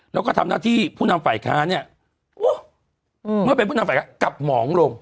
แล้วก็ทำหน้าที่ผู้นำฝ่ายค้าเนี่ยเมื่อเป็นผู้นำฝ่ายค้ากลับหมองลง